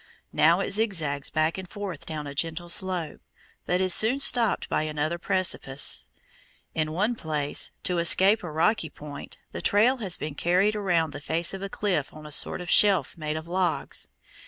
Now it zigzags back and forth down a gentle slope, but is soon stopped by another precipice. In one place, to escape a rocky point, the trail has been carried around the face of a cliff on a sort of shelf made of logs.